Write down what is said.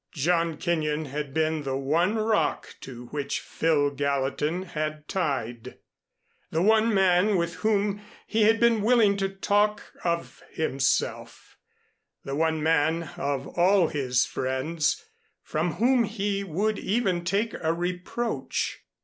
John Kenyon had been the one rock to which Phil Gallatin had tied, the one man with whom he had been willing to talk of himself, the one man of all his friends from whom he would even take a reproach.